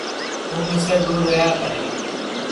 توں مِسے دؔور رہیا کر